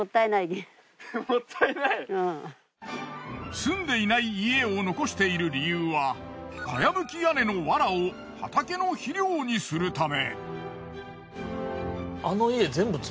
住んでいない家を残している理由は茅葺き屋根の藁を畑の肥料にするため。